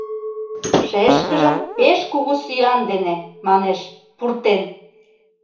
Шешкыжым пеш кугу сӱан дене, манеш, пуртен.